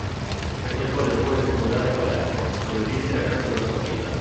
Frequentò le scuole secondarie a Palermo, dove visse il resto della sua vita.